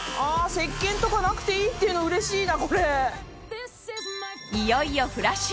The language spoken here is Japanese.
石鹸とかなくていいっていうのうれしいな。